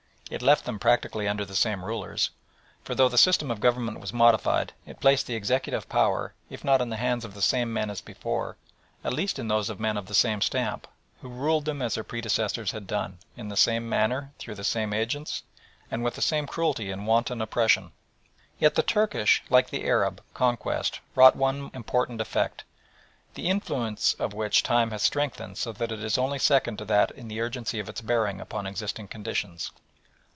It left them practically under the same rulers, for though the system of government was modified, it placed the executive power, if not in the hands of the same men as before, at least in those of men of the same stamp, who ruled them as their predecessors had done, in the same manner, through the same agents, and with the same cruelty and wanton oppression. Yet the Turkish, like the Arab, conquest wrought one important effect, the influence of which time has strengthened so that it is only second to that in the urgency of its bearing upon existing conditions.